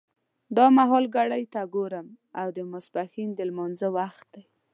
دا مهال ګړۍ ته ګورم او د ماسپښین د لمانځه وخت دی.